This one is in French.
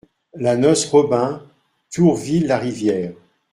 La Nos Robin, Tourville-la-Rivière